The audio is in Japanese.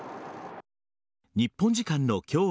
日本時間の今日